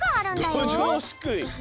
「どじょうすくい」！